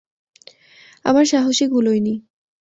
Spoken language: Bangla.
আমার সাহসে কুলোইনি।